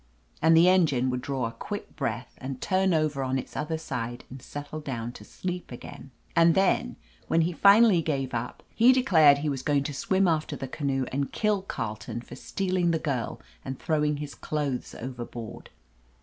And the engine would draw a quick breath and turn over on its other side and settle down to sleep again. And then, when he finally gave up, he declared he was going to swim after the canoe and kill Carleton for stealing the girl and throwing his clothes overboard.